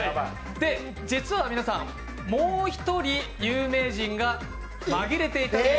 実は皆さん、もう１人有名人が紛れていたんです。